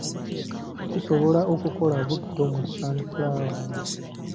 Tusobola okukola butto mu sunflower.